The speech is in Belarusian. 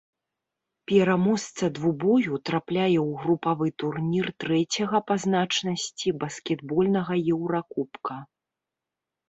Пераможца двубою трапляе ў групавы турнір трэцяга па значнасці баскетбольнага еўракубка.